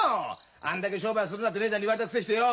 あんだけ商売するなって姉ちゃんに言われたくせしてよ！